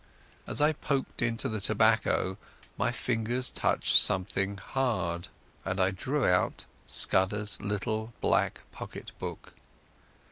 As I poked into the tobacco my fingers touched something hard, and I drew out Scudder's little black pocket book....